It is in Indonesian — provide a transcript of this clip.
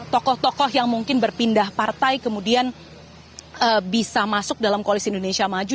tokoh tokoh yang mungkin berpindah partai kemudian bisa masuk dalam koalisi indonesia maju